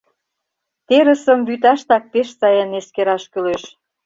Терысым вӱташтак пеш сайын эскераш кӱлеш.